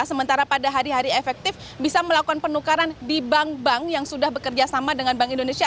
sementara pada hari hari efektif bisa melakukan penukaran di bank bank yang sudah bekerja sama dengan bank indonesia